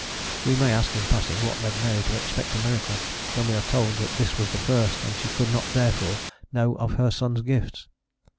[We may ask, in passing, what led Mary to expect a miracle, when we are told that this was the first, and she could not, therefore, know of her son's gifts.